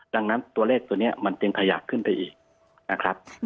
ดังนั้นตัวเลขตัวนี้มันจึงขยับขึ้นไปอีกนะครับ